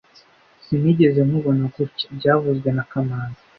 Sinigeze nkubona gutya byavuzwe na kamanzi